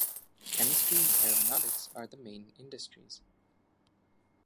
Chemistry and aeronautics are the main industries.